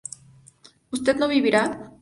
¿usted no vivirá?